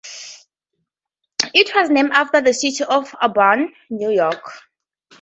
It was named after the city of Auburn, New York.